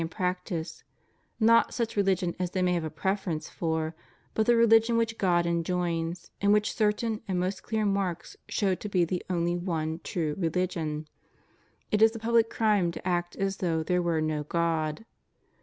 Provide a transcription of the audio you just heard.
Ill and practice — not such religion as they may have a prefer ence for, but the religion which God enjoins, and which certain and most clear marks show to be the only one true religion — ^it is a public crime to act as though there were no God.